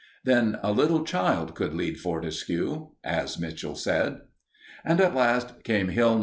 Then a little child could lead Fortescue, as Mitchell said. And at last came Hill No.